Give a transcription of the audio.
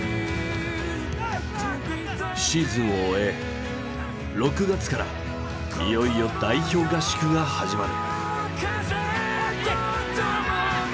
シーズンを終え６月からいよいよ代表合宿が始まる。